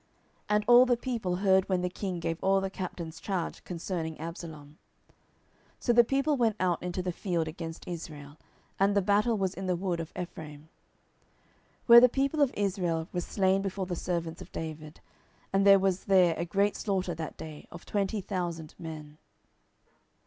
And all the people heard when the king gave all the captains charge concerning Absalom. 10:018:006 So the people went out into the field against Israel: and the battle was in the wood of Ephraim; 10:018:007 Where the people of Israel were slain before the servants of David, and there was there a great slaughter that day of twenty thousand men.